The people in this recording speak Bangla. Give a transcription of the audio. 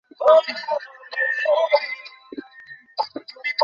কিন্তু রাজধানীতে যার যেমন অর্থ, তাদের সন্তান তেমন বিদ্যালয়ে লেখাপড়া করে।